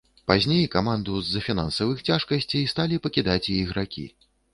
Пазней каманду з-за фінансавых цяжкасцей сталі пакідаць і ігракі.